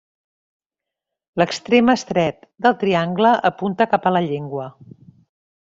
L'extrem estret del triangle apunta cap a la llengua.